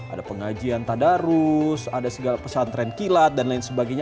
ada pengajian tadarus ada segala pesantren kilat dan lain sebagainya